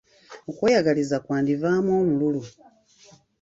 Okweyagaliza kwandivaamu omululu.